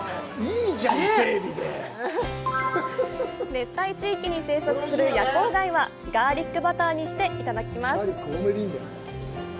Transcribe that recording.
熱帯地域に生息する夜光貝はガーリックバターにしていただきます。